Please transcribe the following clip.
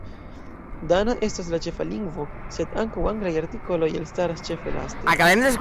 Dana estas la ĉefa lingvo, sed ankaŭ anglaj artikoloj elstaras ĉefe laste.